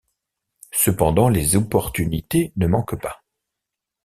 Cependant, les opportunités ne manquent pas.